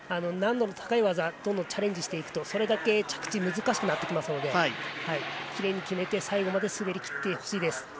難度の高い技にどんどんチャレンジしていくとそれだけ着地が難しくなるのできれいに決めて最後まで滑りきってほしいです。